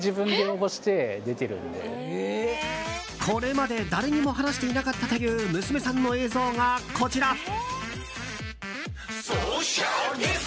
これまで誰にも話していなかったという娘さんの映像がこちら。